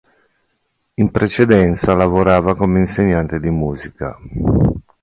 In precedenza lavorava come insegnante di musica.